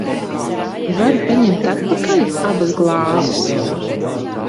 Varu paņemt atpakaļ abas glāzes?